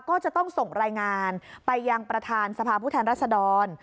ก็จะต้องส่งรายงานไปยังประธานสภาพผู้แทนรัศดร